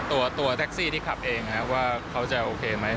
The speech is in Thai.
ตัวแท็กซี่ที่ขับเองว่าเขาจะโอเคไหม